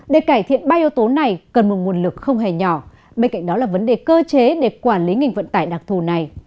để cải thiện ba yếu tố này cần một nguồn lực không hề nhỏ bên cạnh đó là vấn đề cơ chế để quản lý ngành vận tải đặc thù này